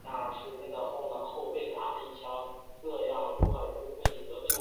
中华民国与东帝汶关系是指中华民国与东帝汶民主共和国之间的关系。